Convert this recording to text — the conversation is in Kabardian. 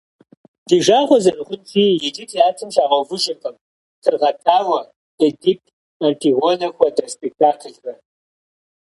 Ди жагъуэ зэрыхъунщи, иджы театрым щагъэувыжыркъым, «Тыргъэтауэ», «Эдип», «Антигонэ» хуэдэ спектаклхэр.